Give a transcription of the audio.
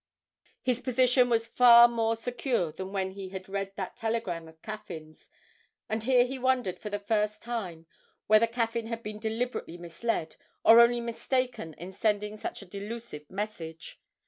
His position was far more secure than when he had read that telegram of Caffyn's; and here he wondered, for the first time, whether Caffyn had been deliberately misled or only mistaken in sending such a delusive message.